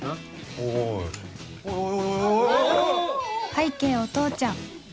拝啓お父ちゃん